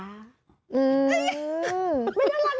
ไม่น่ารักเหรอเอ็งจี้